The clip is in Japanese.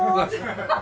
ハハハハ！